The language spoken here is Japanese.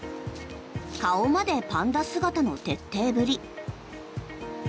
顔までパンダ姿の徹底ぶり。